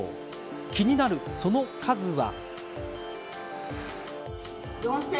気になる、その数は。